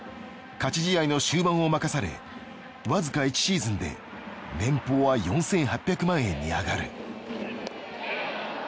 勝ち試合の終盤を任されわずか１シーズンで年棒は４，８００万円に上がる。